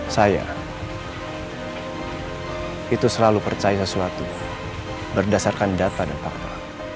saya itu selalu percaya sesuatu berdasarkan data dan fakta